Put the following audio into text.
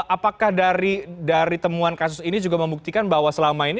apakah dari temuan kasus ini juga membuktikan bahwa selama ini